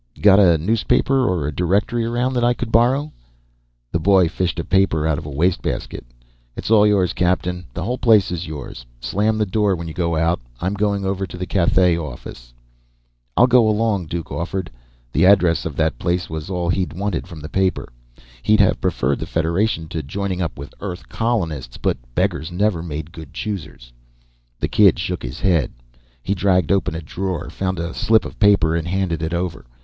"Got a newspaper or a directory around that I could borrow?" The boy fished a paper out of a wastebasket. "It's all yours, captain. The whole place is yours. Slam the door when you go out. I'm going over to the Cathay office." "I'll go along," Duke offered. The address of that place was all he'd wanted from the paper. He'd have preferred the Federation to joining up with Earth colonists, but beggars never made good choosers. The kid shook his head. He dragged open a drawer, found a slip of paper, and handed it over.